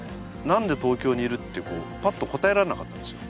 なんで東京にいるってぱっと答えられなかったんですよ